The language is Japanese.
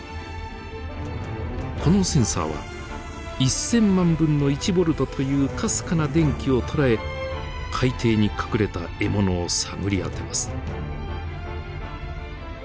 このセンサーは１，０００万分の１ボルトというかすかな電気を捉え海底に隠れた獲物を探り当てます。